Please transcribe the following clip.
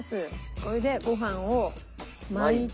これでご飯を巻いて。